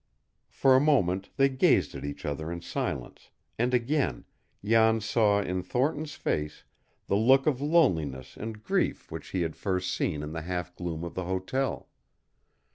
For a moment they gazed at each other in silence, and again Jan saw in Thornton's face the look of loneliness and grief which he had first seen in the half gloom of the hotel.